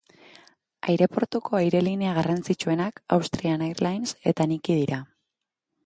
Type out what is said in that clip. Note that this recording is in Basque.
Aireportuko airelinea garrantzitsuenak Austrian Airlines eta Niki dira.